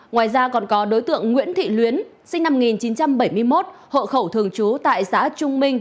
ngoài ra còn có đối tượng nguyễn thị luyến sinh năm một nghìn chín trăm bảy mươi một hộ khẩu thường trú tại xã trung minh